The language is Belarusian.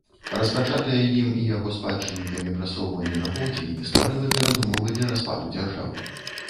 Распачатае ім і яго спадчыннікамі прасоўванне на поўдзень стварыла перадумовы для распаду дзяржавы.